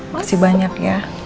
makasih banyak ya